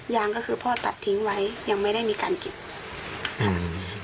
ยางก็คือพ่อตัดทิ้งไว้ยังไม่ได้มีการเก็บค่ะ